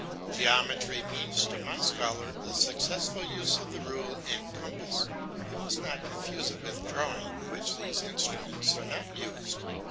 Geometry means to my scholar the successful use of the rule and compass; he must not confuse it with drawing, in which these instruments are not used.